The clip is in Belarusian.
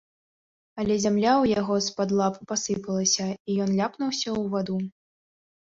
Але зямля ў яго з-пад лап пасыпалася, і ён ляпнуўся ў ваду.